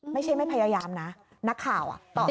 ไม่ใช่ไม่พยายามนะนักข่าวตอบ